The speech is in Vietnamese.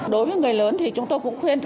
đối với người lớn thì chúng tôi cũng khuyên